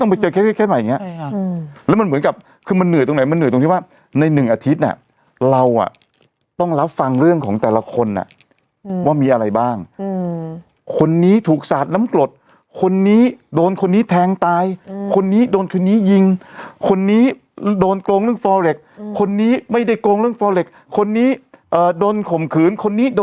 แบบหูมันแบบใจล้านอ่ะคือหนึ่งพี่ไม่ได้เป็นจิต